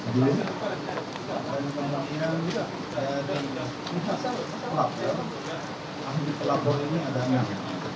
dan memangnya dari pihak pelapor ahli pelapor ini ada enam